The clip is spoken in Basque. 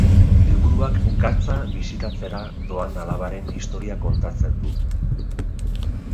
Liburuak Gatza bisitatzera doan alabaren historia kontatzen du.